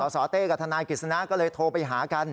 สเต้กับทนายกฤษณะก็เลยโทรไปหากัน